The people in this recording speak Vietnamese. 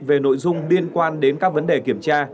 về nội dung liên quan đến các vấn đề kiểm tra